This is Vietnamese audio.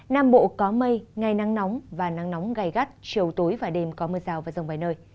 nam bộ có mây ngày nắng nóng và nắng nóng gai gắt chiều tối và đêm có mưa rào và rông vài nơi